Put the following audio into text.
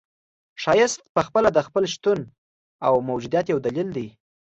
ښایست پخپله د خپل شتون او موجودیت یو دلیل دی.